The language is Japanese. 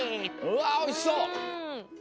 うわおいしそう！